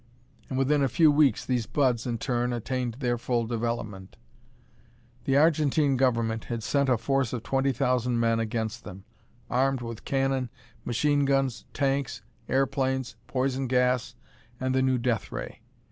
And within a few weeks these buds, in turn, attained their full development. The Argentine Government had sent a force of twenty thousand men against them, armed with cannon, machine guns, tanks, airplanes, poison gas, and the new death ray.